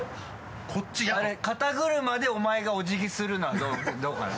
肩車でお前がお辞儀するのはどうかな？